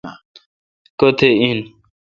کتھ این۔